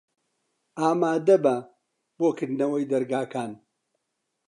ئامادە بە بۆ کردنەوەی دەرگاکان.